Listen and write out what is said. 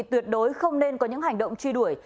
tuyệt đối không nên có những hành động truy đuổi